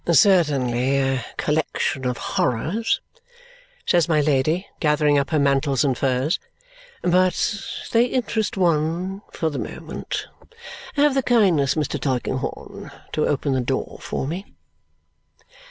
"Certainly, a collection of horrors," says my Lady, gathering up her mantles and furs, "but they interest one for the moment! Have the kindness, Mr. Tulkinghorn, to open the door for me."